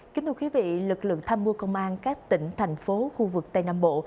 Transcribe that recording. kính thưa quý vị lực lượng tham mưu công an các tỉnh thành phố khu vực tây nam bộ